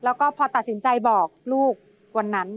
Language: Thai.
แล้วก็พอตัดสินใจบอกลูกวันนั้น